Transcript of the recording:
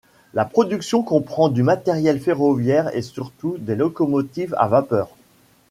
La production comprend du matériel ferroviaire et surtout des locomotives à vapeur.